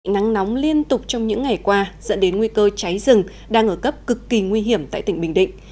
nắng nóng liên tục trong những ngày qua dẫn đến nguy cơ cháy rừng đang ở cấp cực kỳ nguy hiểm tại tỉnh bình định